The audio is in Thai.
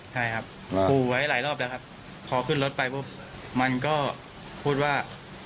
ใช่ครับขู่ไว้หลายรอบแล้วครับพอขึ้นรถไปปุ๊บมันก็พูดว่า